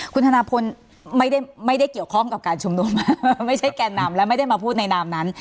คุณธนาพลไม่ได้เกี่ยวข้องกับการชุมนุมไม่ใช่แก่นำและไม่ได้มาพูดในนามนั้น